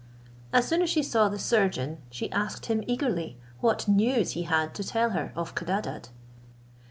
As soon as she saw the surgeon, she asked him eagerly, what news he had to tell her of Codadad?